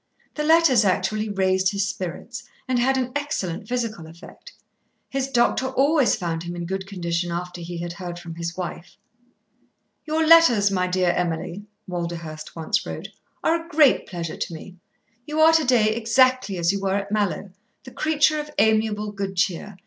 The letters actually raised his spirits and had an excellent physical effect. His doctor always found him in good condition after he had heard from his wife. "Your letters, my dear Emily," Walderhurst once wrote, "are a great pleasure to me. You are to day exactly as you were at Mallowe, the creature of amiable good cheer.